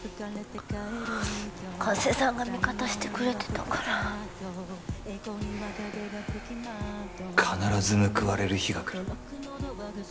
加瀬さんが味方してくれてたから必ず報われる日が来る